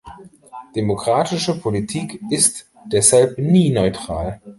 Demokratische Politik ist deshalb nie neutral.